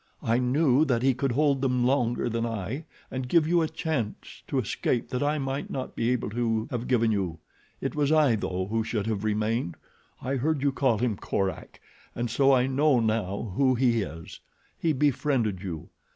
"I knew that he could hold them longer than I and give you a chance to escape that I might not be able to have given you. It was I though who should have remained. I heard you call him Korak and so I know now who he is. He befriended you.